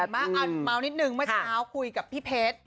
เมานิดนึงเมื่อเช้าคุยกับพี่เพชร